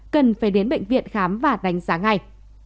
cần phải đến bệnh viện khám và đánh giá ngay